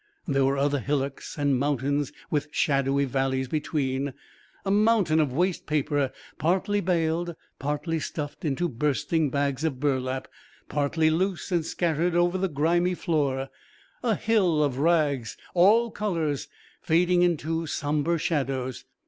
There were other hillocks and mountains with shadowy valleys between a mountain of waste paper, partly baled, partly stuffed into bursting bags of burlap, partly loose and scattered over the grimy floor; a hill of rags, all colours fading into sombre shadows....